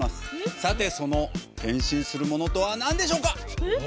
さてその変身するものとはなんでしょうか？